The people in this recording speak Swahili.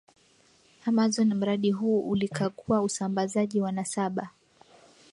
Amazon Mradi huu ulikagua usambazaji wa nasaba